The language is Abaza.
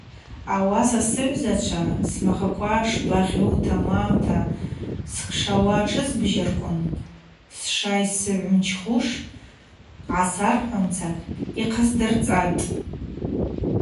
Ауаса сыгӏвзачва смахъаква шбагъьу, тамамта скшауа тшызбжьарквын сшайсыгӏв мчхуш гӏасархӏвуамца йхъасдырцӏатӏ.